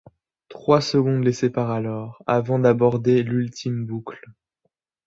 Trois secondes les séparent alors avant d'aborder l'ultime boucle.